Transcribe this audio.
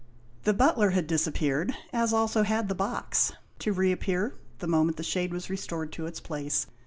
The butler had disappeared, as also had the box, to re appear the mom.ent the shade was restored to its place.